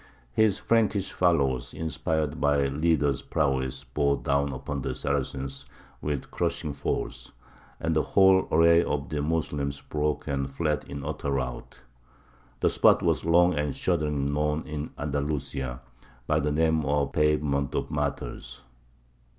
His Frankish followers, inspired by their leader's prowess, bore down upon the Saracens with crushing force; and the whole array of the Moslems broke and fled in utter rout. The spot was long and shudderingly known in Andalusia by the name of the "Pavement of Martyrs."